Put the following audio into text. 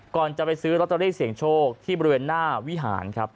ก่อนจะไปซื้อลอตเตอรี่เสียงโชคที่บริเวณหน้าวิหารครับ